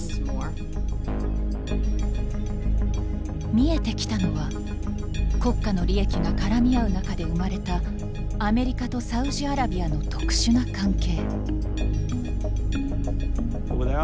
見えてきたのは国家の利益が絡み合う中で生まれたアメリカとサウジアラビアの特殊な関係。